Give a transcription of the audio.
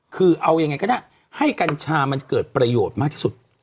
คือเอายังไงก็ได้ให้กัญชามันเกิดประโยชน์มากที่สุด